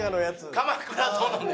『鎌倉殿』ね？